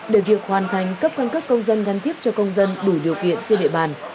để việc hoàn thành cấp căn cước công dân gắn chip cho công dân đủ điều kiện trên địa bàn